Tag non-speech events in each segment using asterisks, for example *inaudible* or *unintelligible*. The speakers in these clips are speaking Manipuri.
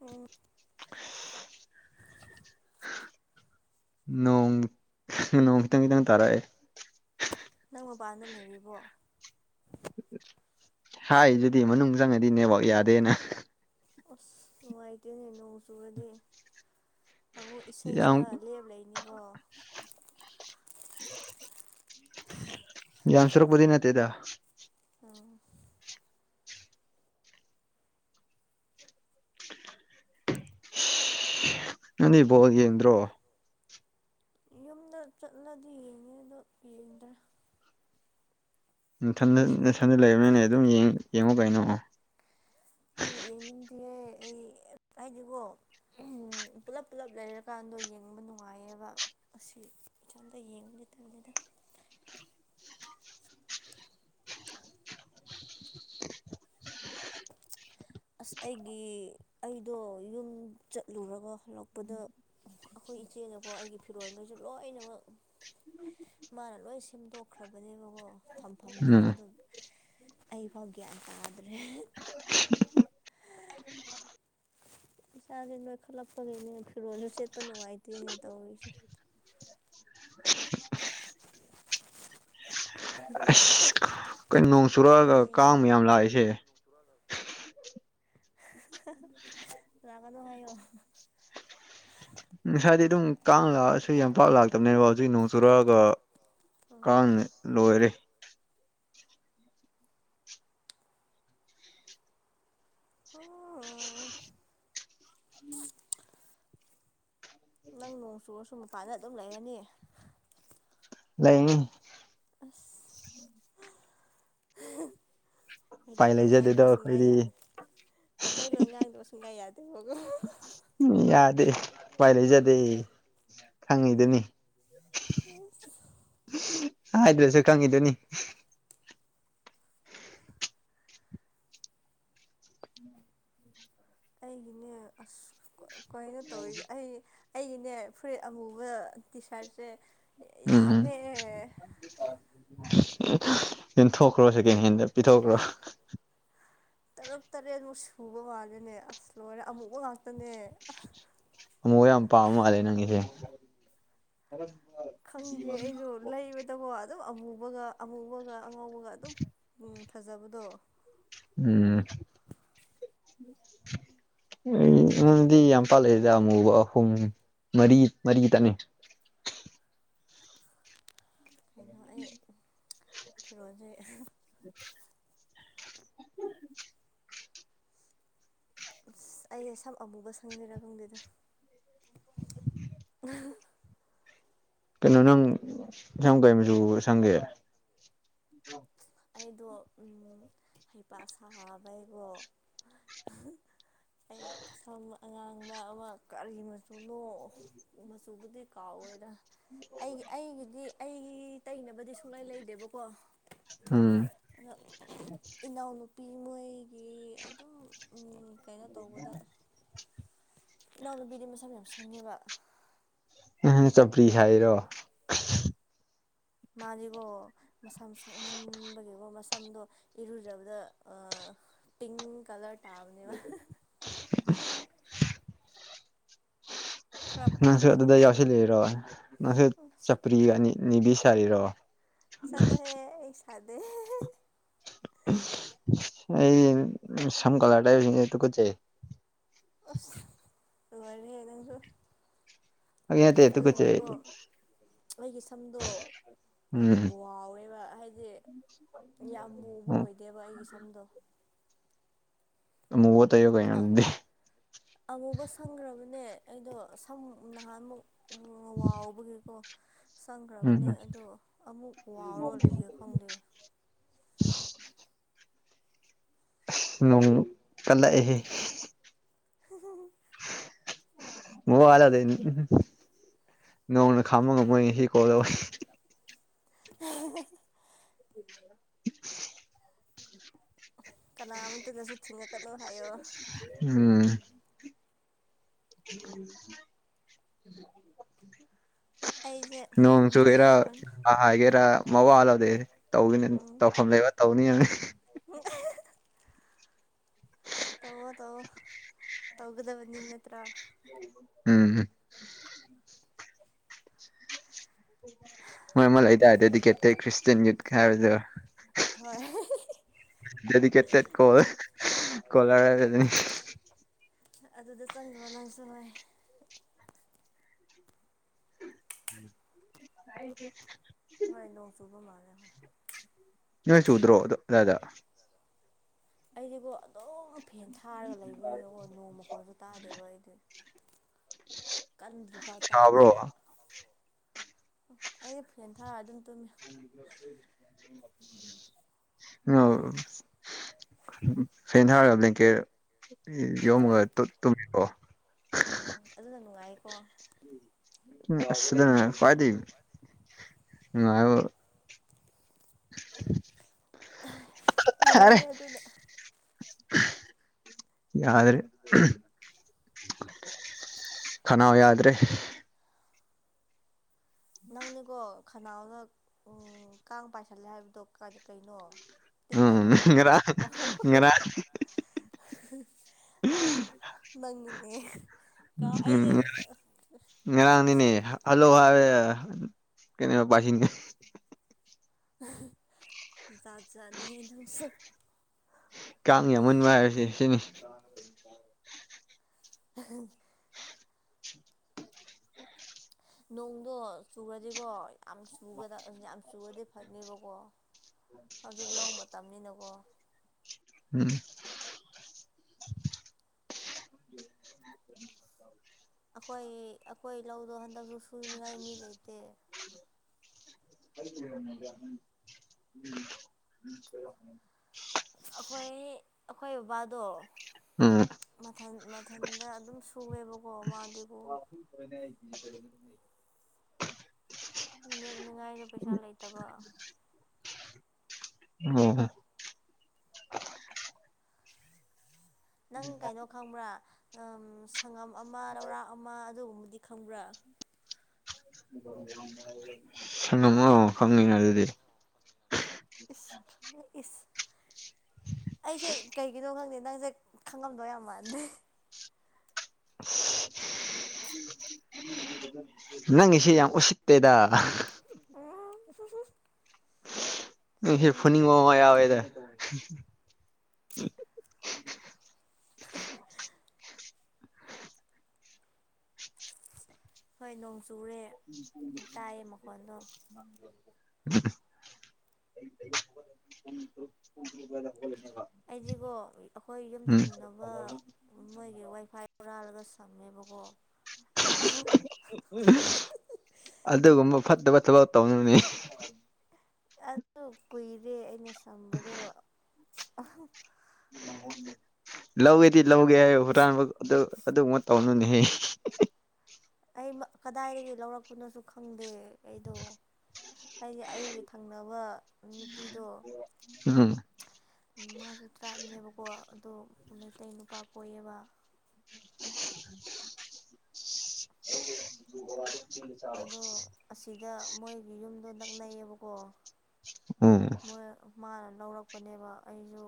ꯑꯣ ꯅꯣꯡ ꯅꯣꯡꯈꯤꯇꯪ ꯈꯤꯇꯪ ꯇꯥꯔꯛꯦ ꯅꯪ ꯃꯄꯥꯟꯗ ꯂꯩꯔꯤꯕꯣ ꯍꯥꯏ ꯑꯗꯨꯗꯤ ꯃꯅꯨꯡ ꯆꯪꯉꯗꯤ ꯅꯦꯕꯥꯛ ꯌꯥꯗꯦꯅ ꯑꯁ ꯅꯨꯡꯉꯥꯏꯇꯦꯅꯦ ꯅꯣꯡ ꯆꯨꯨꯔꯗꯤ ꯑꯃꯕꯨ ꯏꯁꯩ ꯏꯁꯥ ꯌꯥꯝ ꯂꯦꯕ ꯂꯩꯅꯤꯀꯣ *inaudible* ꯌꯥꯝ ꯌꯥꯝꯁꯔꯨꯛꯄꯗꯤ ꯅꯠꯇꯦꯗ ꯑꯣ ꯅꯅꯤ ꯏꯕꯣ ꯌꯦꯟ꯭ꯔꯣ ꯌꯨꯝꯗ ꯆꯠꯂꯗꯤ ꯌꯦꯡꯉꯦ ꯑꯗꯣ ꯌꯦꯡꯗ꯭ꯔꯥ ꯊ ꯏꯊꯟꯗ ꯂꯩꯔꯕꯅꯤꯅꯦ ꯑꯗꯨꯝ ꯌꯦꯡꯉꯣ ꯀꯩꯅꯣꯑꯣ ꯌꯦꯡꯅꯤꯡꯗꯤꯌꯦ ꯑꯩ *inaudible* ꯍꯥꯏꯗꯤꯀꯣ ꯄꯨꯂꯞ ꯄꯨꯂꯞ ꯂꯩꯔꯀꯥꯟꯗꯣ ꯌꯦꯡꯕ ꯅꯨꯡꯉꯥꯏꯌꯦꯕ ꯑꯁꯤ ꯆꯗ ꯌꯦꯡꯉꯅꯦꯦ ꯇꯦꯗ *inaudible* ꯑꯁ ꯑꯩꯒꯤ ꯑꯩꯗꯣ ꯌꯨꯝ ꯆꯠꯂꯨꯔꯒ ꯍꯂꯛꯄꯗ ꯑꯩꯈꯣꯏ ꯏꯆꯦꯅꯀꯣ ꯑꯩꯒꯤ ꯐꯤꯔꯣꯟꯜꯈꯩꯁꯨ ꯂꯣꯏꯅꯃꯛ꯫ ꯃꯥꯅ ꯂꯣꯏ ꯁꯦꯝꯗꯣꯛꯈ꯭ꯔꯕꯅꯦꯕꯀꯣ꯫ ꯐꯝꯐꯝꯗꯣ ꯎꯝ ꯑꯗꯨ ꯑꯩꯐꯥꯎ ꯒ꯭ꯌꯥꯟ ꯇꯥꯗ꯭ꯔꯦ ꯏꯁꯥꯁꯦ ꯅꯣꯏ ꯈꯠꯂꯛꯄꯒꯤꯅꯦ ꯐꯤꯔꯣꯜꯁꯨ ꯁꯦꯠꯄ ꯅꯨꯡꯉꯥꯏꯇꯔꯤꯅꯦ ꯇꯧꯔꯤꯁꯦ ꯑꯁ *inaudible* ꯀꯩꯅꯣ ꯅꯣꯡ ꯆꯨꯔꯛꯑꯒ ꯍꯩꯍꯥ ꯀꯥꯡꯕ ꯌꯥꯝ ꯂꯥꯛꯏꯁꯦ ꯂꯕꯗꯣ ꯍꯥꯏꯥꯏꯌꯣ ꯉꯁꯥꯏꯗꯤ ꯑꯗꯨꯝ ꯀꯥꯡ ꯂꯥꯛꯑꯁꯨ ꯌꯥꯝꯄꯥꯛꯥꯛ ꯂꯥꯛꯇꯕꯅꯦꯕ ꯍꯧꯖꯤꯛ ꯅꯣꯡ ꯆꯨꯔꯛꯑꯒ ꯎꯝ ꯀꯉ ꯂꯣꯏꯔꯦ ꯑꯣ ꯅꯪ ꯅꯣꯡ ꯆꯨꯨꯔꯁꯨ ꯃꯄꯥꯥꯟꯅ ꯑꯗꯨꯝ ꯂꯩꯔꯅꯤ ꯂꯩꯅꯤ ꯑ ꯃꯦꯇ ꯎꯄꯥꯏ ꯂꯅꯤꯗ ꯂꯩꯖꯗꯦꯗꯣ ꯋꯥꯁꯨꯡꯒ ꯑꯩꯈꯣꯏꯗꯤ ꯌꯥꯗ ꯃꯦꯇ ꯂ ꯌꯥꯅꯤꯗꯕꯁꯨꯡ ꯀ ꯌꯥꯗ ꯌꯥꯗꯦ ꯄꯂꯖꯗꯦ ꯈꯪꯉꯤꯗꯅꯤ ꯑ ꯍꯥꯏꯗꯂꯁꯨ ꯈꯪꯉꯤꯗꯨꯅꯤ ꯑꯩꯒꯤꯅꯦ ꯑꯁ ꯀꯩꯅꯣ ꯇꯧꯋ ꯑꯩ ꯑꯩꯒꯤꯅꯦ ꯐꯨꯔꯤꯠ ꯑꯃꯨꯕ ꯇꯤ ꯁꯔꯠꯁꯦ ꯌꯥꯝꯃꯦ ꯑ ꯌꯦꯦꯟꯊꯣꯛꯈ꯭ꯔꯣ ꯁꯦꯀꯦꯟ ꯍꯦꯟꯗ ꯄꯤꯊꯣꯛꯈ꯭ꯔꯣ ꯇꯔꯨꯛ ꯇꯔꯦꯠꯃꯨꯛ ꯁꯨꯕ ꯃꯥꯜꯂꯦꯅꯦ ꯑꯁ ꯂꯣꯏꯅ ꯑꯃꯨꯛꯕ ꯉꯥꯛꯇꯅꯦ ꯑ ꯑꯃꯨꯛ ꯌꯥꯝ ꯄꯥꯝ ꯃꯥꯜꯂꯦ ꯅꯪꯒꯤꯁꯦ ꯈꯪꯗꯦ ꯑꯩꯁꯨ ꯂꯩꯕꯇꯕꯣ ꯑꯗꯨꯝ ꯑꯃꯨꯕꯒ ꯑꯃꯨꯕꯒ ꯑꯉꯧꯕꯒ ꯑꯗꯨꯝ ꯐꯖꯕꯗꯣ ꯎꯝ ꯎꯗꯤ ꯈꯪꯗꯦꯅꯦ ꯌꯥꯝꯄ ꯂꯩ ꯂꯩꯗ ꯃꯨꯕ ꯑꯍꯨꯝ ꯃꯔꯤ ꯃꯔꯤ ꯇꯠꯅꯤ *inaudible* ꯐꯔꯣꯖꯤꯛ *unintelligible* ꯑꯩ ꯁꯝ ꯑꯃꯨꯕ ꯁꯪꯖꯔꯒꯗꯨꯗ ꯎ ꯀꯩꯅꯣ ꯅꯪ ꯁꯪ ꯀꯩ ꯃꯆꯨ ꯁꯪꯒꯦ ꯑꯩꯗꯣ ꯍꯩꯄꯥꯥꯛ ꯁꯥꯕꯩꯀꯣ ꯑꯩ ꯁꯝ ꯑꯉꯥꯡꯕ ꯑꯃ ꯀꯔꯤ ꯃꯆꯨꯅꯣ ꯃꯆꯨꯕꯨꯗꯤ ꯀꯥꯎꯔꯦꯗ ꯑꯩꯒꯤ ꯑꯩꯒꯤꯗꯤ ꯑꯩꯒꯤ ꯇꯩꯅꯕꯗꯤ ꯁꯨꯡꯂꯩ ꯂꯩꯗꯦꯕꯀꯣ ꯎꯝ ꯑꯗ ꯏꯅꯥꯎꯅꯨ ꯅꯨꯄꯤ ꯃꯣꯏꯒꯤ ꯑꯗꯨꯝ ꯀꯩꯅꯣ ꯇꯧꯕꯗ ꯏꯅꯥꯎꯅꯨꯄꯤꯗꯤ ꯃꯆꯥ ꯃ ꯌꯥꯝ ꯁꯪꯉꯦꯕ ꯆꯄꯔꯤ ꯍꯥꯏꯔꯣ ꯃꯥꯁꯤꯒꯣ ꯃꯁꯥ ꯃ ꯁꯛꯃꯟꯕꯒꯤꯀꯣ ꯃꯁꯥ ꯁꯝꯗꯣ ꯏꯔꯨꯖꯕꯗ ꯄꯤꯡ ꯀꯂꯔ ꯇꯥꯕꯅꯦꯕ ꯈꯔ *inaudible* ꯅꯪꯁꯨ ꯄꯥꯝꯃꯦꯕ ꯑꯗꯨꯗ ꯃꯥꯗꯤ ꯌꯥꯎꯁꯤꯂꯔꯣ ꯅꯪꯁꯨ ꯆꯄ꯭ꯔꯤꯅꯤ ꯅꯤꯕꯤ ꯁꯔꯤꯔꯣ ꯆꯗ ꯍꯦ ꯑꯩ ꯁꯥꯗꯦ ꯑꯩ ꯁꯝ ꯀꯂ ꯇ ꯇꯨꯀ ꯆꯦ ꯑ ꯑꯗꯨꯅꯁꯨ ꯀꯦ ꯑꯩꯒꯤ ꯁꯝꯗꯣ ꯎ ꯎꯝ ꯕꯎꯋꯦꯕ ꯍꯥꯏꯗꯤꯦ ꯌꯥꯝ ꯃꯨꯕ ꯑꯣꯏꯗꯦꯕ ꯑꯩꯒꯤ ꯁꯝꯗꯣ ꯃꯨꯠ ꯑ ꯑꯃꯨꯕ ꯁꯪꯈ꯭ꯔꯕꯅꯦ ꯑꯩꯗꯣ ꯁꯝ ꯅꯍꯥꯟꯃꯨꯛ ꯋꯥꯎꯕꯒꯤꯀꯣ ꯆꯪꯈ꯭ꯔꯕꯅꯦ ꯎꯝ ꯑꯗꯣ ꯑꯃꯨꯛ ꯋꯥꯎꯔꯔꯣꯏꯒꯦ ꯈꯪꯗꯦ *inaudible* ꯅꯣꯡ ꯀꯜꯂꯛꯑꯦꯍꯦ ꯍ ꯋꯥꯂꯗꯅꯤ ꯅꯣꯡꯅ ꯈꯥꯝꯃ ꯉꯝꯃꯣꯏ ꯁꯤ ꯀꯧꯗ *inaudible* *inaudible* ꯀꯅꯥꯃ ꯇꯗꯁꯨꯠꯊꯅ ꯎꯝ ꯑꯩꯁꯦ ꯎꯝ ꯀꯩꯅꯣ ꯂꯣꯡꯁꯨꯒꯦꯔ ꯇꯧꯔꯅꯤ ꯍꯥꯒꯦꯔ ꯃꯑꯣ ꯑꯂꯗ ꯇꯧꯅ ꯇꯧꯐꯝ ꯂꯩꯕ ꯇꯧꯅꯤꯅ ꯍ ꯇꯧꯋꯥꯣ ꯇꯧꯣ ꯇꯧꯒꯗꯦꯕꯅꯤꯅꯠꯇ ꯎꯝꯝ ꯍꯣꯏ ꯂꯩꯗꯍꯗꯤꯗꯤ ꯀꯇꯩ ꯈ꯭ꯔꯤꯁ ꯌꯠ ꯈꯥꯏꯔꯖꯣ ꯍꯣꯏ ꯑꯗꯨꯗꯤ ꯀꯇꯦ ꯀꯣꯦ ꯀꯣꯂꯔ ꯑꯗꯨꯅꯤ ꯑꯗꯨꯗ ꯆꯪꯈ꯭ꯔꯣ ꯅꯪꯁꯨ ꯅꯨꯡꯥꯏ ꯍꯥꯏꯗꯤ ꯍꯣꯏ ꯅꯧ ꯁꯨꯕ ꯃꯥꯔ ꯅꯣꯏ ꯆ ꯎꯗ꯭ꯔꯣ ꯑꯗ ꯑꯩꯗꯤꯀꯣ ꯑꯗꯨꯝ ꯐꯦꯟ ꯊꯥꯔꯒ ꯂꯩꯕꯅꯤꯅꯀꯣ ꯅꯣꯡ ꯃꯈꯣꯟꯜꯁꯨ ꯇꯥꯗꯦꯕ ꯑꯩꯗꯨ ꯀꯟꯗ꯭ꯔꯤꯐꯥꯎ ꯁꯥꯕ꯭ꯔꯣ ꯇꯥꯗꯦꯕ ꯑꯣ ꯑꯩ ꯐ꯭ꯔꯦꯟ ꯊꯥꯔ ꯑꯗꯨꯝ ꯇꯨꯝꯃꯤ ꯎꯝ ꯑ ꯐꯦꯅꯍꯥꯔꯕ ꯀꯦ ꯍꯣꯏ ꯌꯣꯃꯒ ꯇꯨꯕꯣ ꯄꯟ ꯎꯝꯗ ꯀ꯭ꯋꯥꯗ ꯉ ꯑꯔꯦ ꯅꯨꯡꯉꯥꯏꯦ ꯑꯗꯨꯗ ꯌꯥꯗ꯭ꯔꯦ ꯈꯅꯥꯎ ꯌꯥꯗ꯭ꯔꯦ ꯅꯪꯅꯦꯀꯣ ꯈꯅꯥꯎꯅ ꯎ ꯀꯥꯡ ꯄꯥꯏꯁꯜꯂꯦ ꯍꯥꯏꯕꯗꯣ ꯀꯩꯅꯣ ꯇꯤꯟ ꯎꯝ ꯄꯥꯏꯁꯜꯂꯦ ꯏꯔ ꯏꯔ ꯑ ꯅꯪꯅꯦ ꯎꯝ ꯉꯔꯥꯡꯅꯤꯅꯦ ꯍꯜꯂꯣ ꯍꯥꯏ ꯀꯩꯅꯕ ꯄꯁꯤꯟꯗ ꯠꯖꯅꯤꯅ ꯀ ꯌꯥꯝ ꯃꯟꯃꯔꯁꯦ ꯁꯤꯅꯤ ꯎ ꯅꯣꯡꯗꯣ ꯆꯨꯔꯗꯤꯀꯣ ꯌꯥꯝꯨ ꯌꯥꯝ ꯆꯨꯔꯗꯤ ꯐꯅꯦꯕꯀꯣ ꯍꯧꯖꯤꯛ ꯂ ꯃꯇꯝꯅꯤꯅꯀꯣ ꯎꯝ *inaudible* ꯑꯩꯈꯣꯏ ꯑꯩꯈꯣꯏ ꯂꯧꯗꯣ ꯍꯟꯗꯛꯁꯨ ꯁꯨꯅꯤꯡꯉꯥꯏ ꯃꯤ ꯂꯩꯇꯦ ꯝ ꯑꯩꯈꯣꯏ ꯑꯩꯈꯣꯏ ꯕꯕꯥꯗꯣ ꯎꯝ ꯃꯊꯟ ꯃꯊꯟꯗ ꯑꯗꯨꯝ ꯁꯨꯋꯦꯕꯀꯣ ꯃꯥꯗꯤꯒꯣ *unintelligible* ꯌꯦꯦꯛꯅꯤꯡꯉꯥꯏꯁꯨ ꯄꯩꯁꯥ ꯂꯩꯇꯕ ꯑꯣ ꯅꯪ ꯀꯩꯅꯣ ꯈꯪꯕ꯭ꯔꯥ ꯊꯪꯉꯝ ꯑꯃ ꯂꯧꯔꯥꯛ ꯑꯃ ꯑꯗꯨꯒꯨꯝꯕꯗꯤ ꯈꯪꯕ꯭ꯔꯥ ꯁꯪꯉꯃꯣ ꯐꯪꯉꯉ ꯑꯗꯨꯗꯤ ꯏꯁ ꯏꯁ ꯑꯩꯁꯦ ꯀꯩꯒꯤꯅꯣ ꯈꯪꯗꯦ ꯅꯪꯁꯦ ꯈꯪꯉꯝꯗꯣꯏ ꯌꯥꯝ ꯃꯥꯟꯗꯦ *unintelligible* *unintelligible* ꯅꯪ ꯁꯤ ꯌꯥ ꯑꯣꯁꯤꯇꯦꯗ ꯑ ꯁꯁꯁ ꯐꯅꯤ ꯋꯥ ꯃꯦꯗ *unintelligible* *inaudible* ꯍ ꯅꯣ ꯪ *unintelligible* ꯑꯩꯗꯤꯒꯣ ꯑꯩꯈꯣꯏ ꯌꯨꯝ ꯎꯝ ꯊꯪꯅꯕ ꯃꯣꯏꯒꯤ ꯋꯥꯏꯐꯥꯏꯔꯥꯔꯒ ꯁꯝꯃꯦꯕ ꯀꯧꯕꯣ ꯑꯗꯨꯗ ꯀꯝꯕ ꯐꯠꯇ ꯐꯠꯇꯕ ꯇ ꯑꯣꯅꯤ ꯑꯗꯨ ꯀꯨꯏꯔꯦ ꯑꯩꯅ ꯁꯝꯕꯗꯣ ꯂꯧꯒꯦ ꯊ ꯂꯧꯒꯦ ꯍꯔ ꯑꯗꯨ ꯑꯃ ꯇꯧꯅꯨꯅꯦꯍ ꯑꯩ ꯀꯗꯥꯏꯗꯒꯤ ꯂꯧꯔꯛꯄꯅꯣꯁꯨ ꯈꯪꯗꯦ ꯑꯩꯗꯣ ꯍꯥꯏꯗꯤ ꯑꯩꯒꯤ ꯊꯪꯅꯕ ꯅꯨꯄꯤꯗꯣ ꯎꯝ ꯃꯥꯁꯨ ꯇ꯭ꯔꯥꯏꯞꯅꯦꯕꯀꯣ ꯑꯗꯣ ꯃꯩꯇꯩ ꯅꯨꯄꯥ ꯀꯣꯏꯌꯦꯕ ꯑꯗꯣ ꯑꯁꯤꯗ ꯃꯣꯏꯒꯤ ꯌꯨꯝꯗꯣ ꯅꯛꯅꯩꯌꯦꯕꯀꯣ ꯑꯝ ꯃꯣꯏ ꯃꯥꯅ ꯂꯧꯔꯛꯄꯅꯦꯕ ꯑꯩꯁꯨ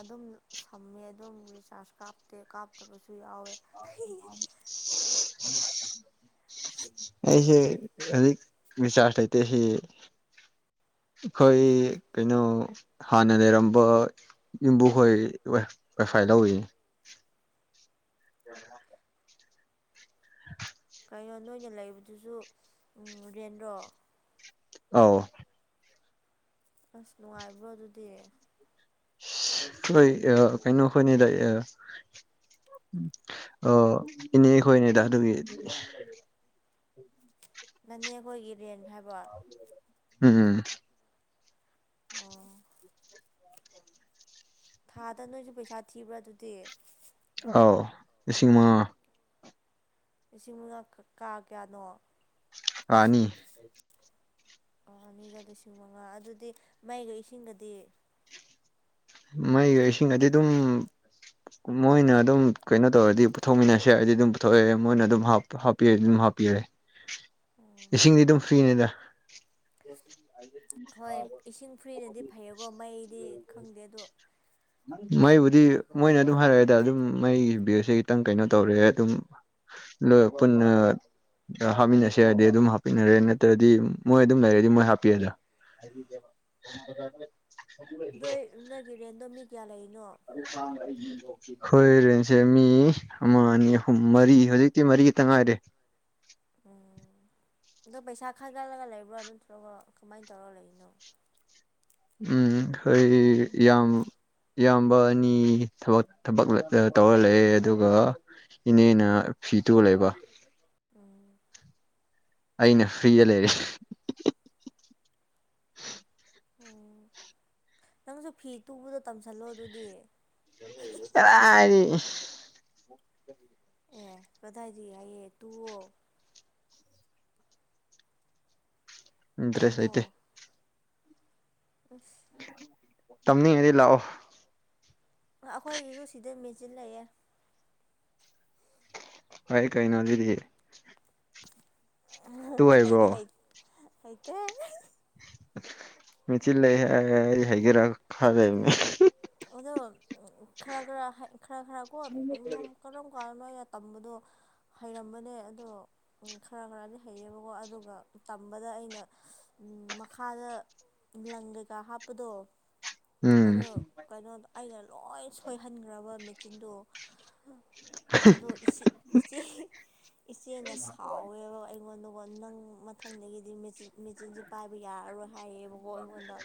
ꯑꯗꯨꯝ ꯁꯝꯃꯦ ꯑꯗꯨꯝ ꯔꯤꯆꯥꯔꯖ ꯀꯥꯞꯇꯦ ꯀꯥꯞꯇꯕꯁꯨ ꯌꯥꯎꯋꯦ *inaudible* ꯑꯩꯁꯦ ꯍꯧꯖꯤ ꯃꯤꯁꯔ ꯇꯇꯁꯤ ꯑꯩꯈꯣꯏ ꯀꯩꯅꯣ ꯍꯥꯟꯅ ꯂꯩꯔꯝꯕ ꯌꯨꯝꯕꯨꯍꯣꯏ ꯋꯥꯏꯐꯥꯏ ꯂꯧꯏ ꯍ ꯀꯩꯅꯣ ꯅꯣꯏꯅ ꯂꯩꯕꯗꯨꯁꯨ ꯔꯦꯟꯗꯣ ꯑ ꯑꯁ ꯅꯨꯡꯉꯥꯏꯕ꯭ꯔꯣ ꯑꯗꯨꯗꯤ ꯍꯣꯏ ꯀꯩꯅꯣꯈꯣꯏꯅꯤꯗ ꯑꯣ ꯏꯅꯦ ꯈꯣꯏ ꯏꯅꯦꯗ ꯑꯗꯨꯒꯤ ꯅꯅꯦ ꯑꯩꯈꯣꯏꯒꯤ ꯔꯦꯟ ꯍꯥꯏꯕ ꯎꯝ ꯑꯣ ꯊꯥꯗ ꯅꯣꯏꯁꯨ ꯄꯩꯁꯥ ꯊꯤꯕ꯭ꯔꯥ ꯑꯗꯨꯗꯤ ꯑꯥꯎ ꯂꯤꯁꯤꯡ ꯑꯃꯉꯥ ꯂꯤꯁꯤꯡ ꯃꯉꯥ ꯀꯥ ꯀꯌꯥꯅꯣ ꯑꯅꯤ ꯑꯣ ꯑꯅꯤꯒ ꯂꯤꯁꯤꯡ ꯃꯉꯥ ꯑꯗꯨꯗꯤ ꯃꯩꯒ ꯏꯁꯤꯡꯒꯗꯤ ꯃꯩ ꯏꯁꯤꯡꯗꯤ ꯑꯗꯨꯝ ꯃꯣꯏꯅ ꯑꯗꯨꯝ ꯀꯩꯅꯣ ꯇꯧꯔꯗꯤ ꯄꯨꯊꯣꯛꯃꯤꯟꯅꯁꯦ ꯍꯥꯏꯗꯤ ꯑꯗꯨꯝ ꯄꯨꯊꯣꯛꯑꯦ ꯃꯣꯏꯅ ꯑꯗꯨꯝ ꯍꯥꯞꯄꯤꯔꯗꯤ ꯑꯗꯨꯝ ꯍꯥꯞꯄꯤꯔꯦ ꯏꯁꯤꯡꯗꯤ ꯑꯗꯨꯝ ꯐ꯭ꯔꯤꯅꯦꯗ ꯍꯣꯏ ꯏꯁꯤꯡ ꯐ꯭ꯔꯤꯅꯗꯤ ꯐꯩꯌꯦꯀꯣ ꯃꯩꯗꯤ ꯎ ꯈꯪꯗꯦ ꯑꯗꯣ ꯃꯩꯕꯨꯗꯤ ꯃꯣꯏꯅ ꯑꯗꯨꯝ ꯍꯥꯏꯔꯛꯑꯦꯗ ꯑꯗꯨꯝ ꯃꯩꯒꯤ ꯕꯨꯁꯦ ꯈꯤꯇꯪ ꯀꯩꯅꯣ ꯇꯧꯔꯦ ꯑꯗꯨꯝ ꯂ ꯄꯨꯅ ꯍꯥꯞꯃꯤꯟꯅꯁꯦ ꯍꯥꯏꯔꯗꯤ ꯑꯗꯨꯝ ꯍꯥꯞꯄꯤꯟꯅꯔꯦ ꯅꯠꯇ꯭ꯔꯗꯤ ꯃꯣꯏ ꯑꯗꯨꯝ ꯂꯩꯔꯗꯤ ꯃꯣꯏ ꯍꯥꯞꯄꯤꯦꯗ ꯍꯥꯏ ꯅꯣꯏ ꯅꯣꯏꯒꯤ ꯔꯦꯟꯗꯣ ꯃꯤ ꯀꯌꯥ ꯂꯩꯦ ꯑꯦ ꯁꯥꯡꯔꯤ ꯈꯣꯏꯔꯦꯟꯁꯦ ꯃꯤ ꯑꯃ ꯑꯅꯤ ꯑꯍꯨꯝ ꯃꯔꯤ ꯍꯧꯖꯤꯛꯇꯤ ꯃꯔꯤꯒꯤꯇ ꯉꯥꯏꯔꯦ *inaudible* ꯎꯝ ꯑꯗꯣ ꯄꯩꯁꯥ ꯈꯥꯏꯒꯠꯂꯒ ꯂꯩꯕ꯭ꯔꯣ ꯑꯗꯨ ꯊꯣꯛꯂꯕꯣ ꯀꯃꯥꯏꯅ ꯇꯧꯔꯒ ꯂꯩꯅꯣ ꯎꯝ ꯍꯣꯏ ꯌꯥꯝ ꯏꯌꯥꯝꯕ ꯑꯅꯤꯕ ꯊꯕꯛ ꯇꯧꯔ ꯂꯩꯑꯦ ꯑꯗꯨꯒ ꯏꯅꯦꯅ ꯐꯤꯗꯨꯣ ꯂꯩꯕ ꯎꯝ ꯑꯩꯅ ꯐ꯭ꯔꯤꯗ ꯂꯩꯔꯦ ꯑꯣ ꯅꯪꯁꯨ ꯐꯤ ꯇꯨꯕꯗ ꯇꯝꯁꯜꯂꯣ ꯑꯗꯨꯗꯤ ꯔꯥꯔꯤ ꯑꯦ ꯄꯙꯥꯏꯖꯤ ꯍꯥꯏꯏꯌꯦ ꯇꯨꯣ ꯏ ꯗ꯭ꯔꯦꯁ ꯇꯝꯃꯣ ꯑꯥꯏꯇ ꯇꯝꯅꯤ ꯉꯗꯤ ꯂꯥꯛꯑꯣ ꯑꯩꯈꯣꯏꯒꯤꯁꯨ ꯁꯤꯗꯩ ꯃꯦꯆꯜꯂꯌꯦꯦ ꯍꯥꯏ ꯀꯥꯏ ꯅꯅꯥꯖꯤꯗꯤ ꯍꯩꯕ꯭ꯔꯣ ꯑꯩꯗꯤ ꯍꯥꯏ ꯍꯥꯏ ꯃꯦꯆꯤꯤꯟ ꯂꯩ ꯑꯩ ꯍꯥꯏꯒꯦꯔ ꯈ ꯂꯩ ꯑꯗꯣ ꯈꯔ ꯈꯔ ꯈꯔ ꯈꯔ ꯀꯣ ꯀꯔꯝ ꯀ ꯇꯣ ꯍꯔꯅꯦ ꯑ ꯈꯔ ꯈꯔꯗꯤ ꯍꯩꯌꯦꯕꯀꯣ ꯑꯗꯨꯒ ꯇꯝꯕꯗ ꯑꯩꯅ ꯃꯈꯥꯗ ꯂꯪ ꯀꯩꯀꯥ ꯍꯥꯞꯄꯗꯣ ꯎꯝ ꯑꯗꯣ ꯀꯩꯅꯣ ꯑꯩꯅ ꯂꯣꯏ ꯁꯣꯏꯍꯟꯈ꯭ꯔꯕ ꯃꯦꯆꯤꯟꯗꯣ ꯑꯗꯣ ꯏꯆꯦ ꯏꯆꯦꯅ ꯁꯥꯎꯋꯦꯕ ꯑꯩꯉꯣꯟꯗ ꯅꯪ ꯃꯊꯪꯗꯒꯤꯗꯤ ꯃꯦꯆꯤꯟ ꯃꯦꯆꯤꯟꯁꯤꯦ ꯄꯥꯏꯕ ꯌꯥꯔꯔꯣꯏ ꯍꯥꯏꯌꯦꯕꯀꯣ ꯑꯩꯉꯣꯟꯗ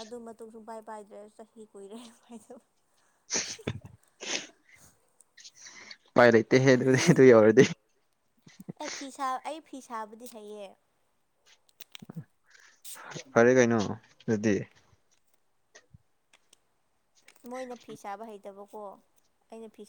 ꯑꯗꯨ ꯃꯇꯨꯡ ꯁꯨꯝ ꯄꯥꯏ ꯦ ꯍ ꯔꯦ *inaudible* ꯄꯥꯏ ꯂꯩꯇ ꯍꯦ ꯑꯗꯨꯗꯤ ꯇ ꯌꯥꯔꯗꯤ ꯑꯩ ꯐꯤ ꯁꯥ ꯑꯩ ꯐꯤ ꯁꯥꯕꯨꯗꯤ ꯍꯩꯌꯦ ꯐꯔꯦ ꯀꯩꯅꯣ ꯑꯗꯨꯗꯤ ꯃꯣꯏꯅ ꯐꯤ ꯁꯥꯕ ꯍꯩꯇꯕꯀꯣ ꯑꯩꯅ ꯐꯤ